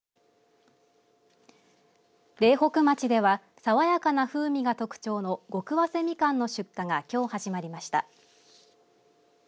苓北町では爽やかな風味が特徴のごくわせみかんの出荷がきょう始まりました。